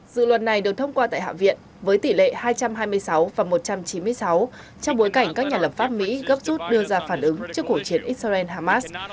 dự luật này được thông qua tại hạ viện với tỷ lệ hai trăm hai mươi sáu và một trăm chín mươi sáu trong bối cảnh các nhà lập pháp mỹ gấp rút đưa ra phản ứng trước cuộc chiến israel hamas